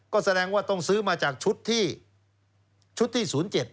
ก็แสดงว่าต้องซื้อมาจากชุดที่ชุดที่๐๗